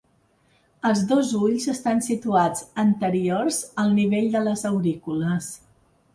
Els dos ulls estan situats anteriors al nivell de les aurícules.